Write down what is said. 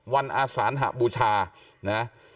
อาสานหบูชานะ